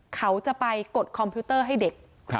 เขาจะไปกดคอมพิวเตอร์ให้เด็ก